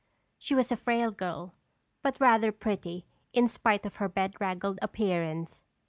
She was a frail girl but rather pretty in spite of her bedraggled appearance.